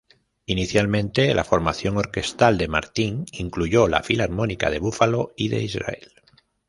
Inicialmente, la formación orquestal de Martin incluyó la Filarmónica de Buffalo y de Israel.